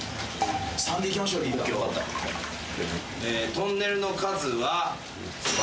トンネルの数は。